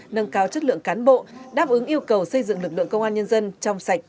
nâng cao chất lượng cán bộ đáp ứng yêu cầu xây dựng lực lượng công an nhân dân trong sạch